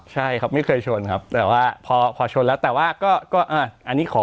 ใช่ครับไม่เคยชนครับแต่ว่าพอพอชนแล้วแต่ว่าก็อันนี้ขอ